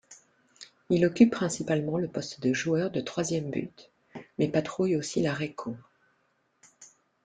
Il occupe principalement le poste de joueur de troisième but mais patrouille aussi l'arrêt-court.